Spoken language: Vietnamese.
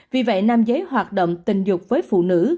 vì vậy nam giới hoạt động tình dục với phụ nữ